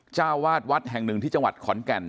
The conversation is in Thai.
เจ้าวาดวัดแห่งหนึ่งที่จังหวัดขอนแก่น